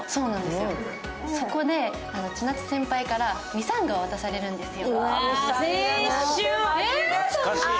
そこで千夏先輩からミサンガを渡されるんですよ。